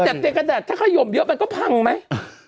แต่เตียงกระดาษถ้าขยมเยอะมันก็พังไหม